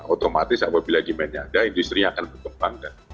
otomatis apabila demand nya ada industri akan berkembang